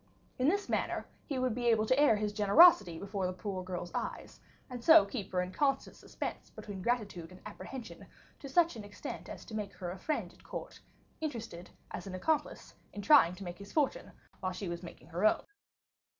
In this manner, he would be able to air his generosity before the poor girl's eyes, and so keep her in constant suspense between gratitude and apprehension, to such an extent as to make her a friend at court, interested, as an accomplice, in trying to make his fortune, while she was making her own.